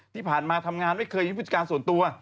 ที่ผ่านมาทำงานไม่เคยมีผู้จัดการส่วนตัว